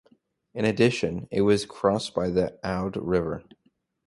In addition, it was crossed by the Aude River.